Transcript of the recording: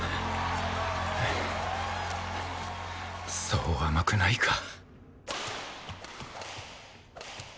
そう甘くないか